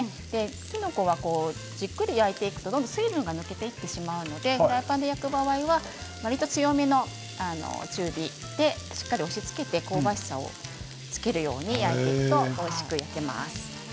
きのこをじっくり焼いていくとどんどん水分が抜けていってしまうのでフライパンで焼く場合はわりと強めの中火でしっかり押し付けて香ばしさをつけるように焼いていくとおいしく焼けます。